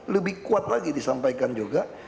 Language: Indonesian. lebih kuat lagi disampaikan juga